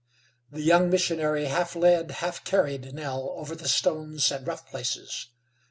The young missionary half led, half carried Nell over the stones and rough places.